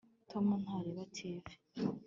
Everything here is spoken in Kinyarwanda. tom ntareba tv